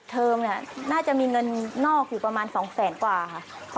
เทอมน่าจะมีเงินนอกอยู่ประมาณ๒๐๐๐๐๐บาทกว่าค่ะ